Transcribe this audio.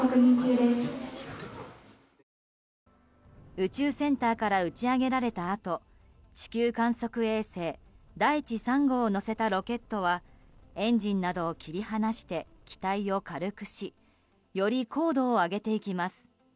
宇宙センターから打ち上げられたあと地球観測衛星「だいち３号」を載せたロケットはエンジンなどを切り離して機体を軽くしより高度を上げていきます。